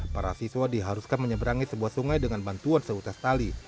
para siswa diharuskan menyeberangi sebuah sungai dengan bantuan seutas tali